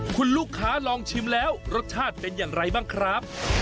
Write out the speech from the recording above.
คุณลูกค้าลองชิมแล้วรสชาติเป็นอย่างไรบ้างครับ